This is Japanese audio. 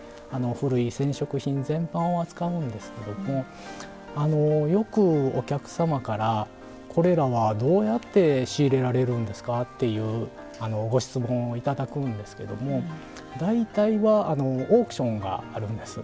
古い染織品全般を扱うんですけれどもよくお客様から「これらはどうやって仕入れられるんですか？」っていうご質問を頂くんですけども大体はオークションがあるんです。